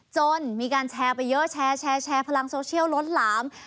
จนมีการแชร์ไปเยอะแชร์แชร์แชร์แชร์พลังโซเชียลลดหลาม